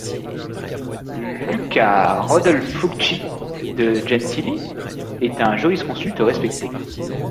Luca Rodolfucci de Gentili est un jurisconsulte respecté.